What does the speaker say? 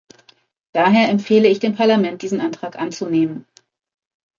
Daher empfehle ich dem Parlament, diesen Antrag anzunehmen.